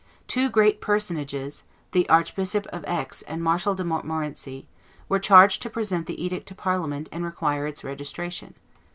Two great personages, the Archbishop of Aix and Marshal de Montmorenci, were charged to present the edict to Parliament and require its registration.